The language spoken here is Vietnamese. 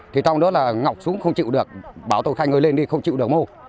thì trong đó là ngọc xuống không chịu được bảo tôi khai người lên đi không chịu được mô